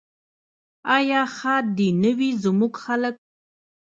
آیا ښاد دې نه وي زموږ خلک؟